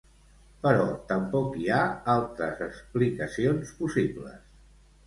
Però tampoc hi ha altres explicacions possibles.